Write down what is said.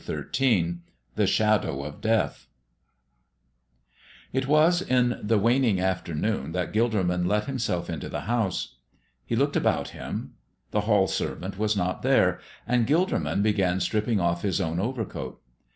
XIII THE SHADOW OF DEATH IT was in the waning afternoon that Gilderman let himself into the house. He looked about him. The hall servant was not there, and Gilderman began stripping off his own overcoat.